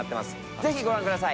是非ご覧ください。